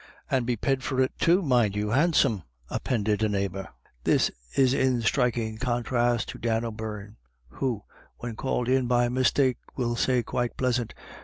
''" And be ped for it too, mind you, handsome," appended a neighbour. This is in striking contrast to Dan O'Beirne, who, when called in by mistake, will say quite \ plisant.